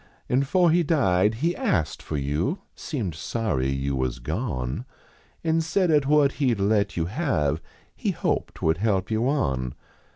An fore he died he ast for you Seemed sorry you was gone, An said at what he d let yon have He hoped would help you on."